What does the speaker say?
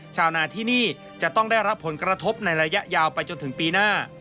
ชาวนาที่นี่จะต้องได้รับผลกระทบในระยะยาวไปจนถึงปีหน้า